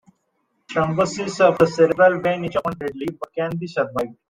Thrombosis of the cerebral vein is often deadly but can be survived.